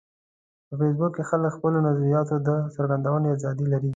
په فېسبوک کې خلک د خپلو نظریاتو د څرګندولو ازادي لري